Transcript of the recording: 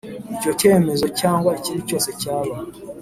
Icyo cyemezo cyangwa ikindi cyose cyaba